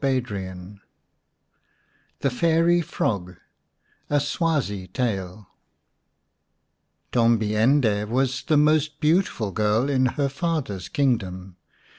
186 XVI THE FAIRY FROG A SWAZI TALE TOMBI ENDE was the most beautiful girl in her father's kingdom.